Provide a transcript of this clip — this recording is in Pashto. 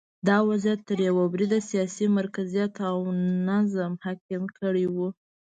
دا وضعیت تر یوه بریده سیاسي مرکزیت او نظم حاکم کړی و